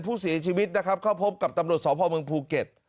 ผู้เสียชีวิตนะครับเข้าพบกับตำรวจสพเมืองภูเก็ต